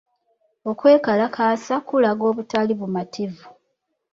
Okwekalakaasa kulaga obutali bumativu.